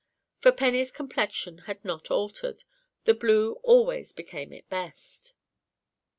For Penny's complexion had not altered, and blue always became it best.